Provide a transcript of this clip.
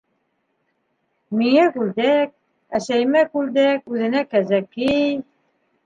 — Миңә күлдәк, әсәйемә күлдәк, үҙенә кәзәкей...